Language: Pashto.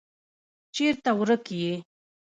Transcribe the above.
چیرته ورک یې.